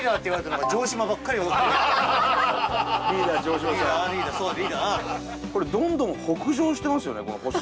伊達：これ、どんどん北上してますよね、この星。